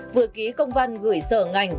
vừa ký công văn gửi sở ngành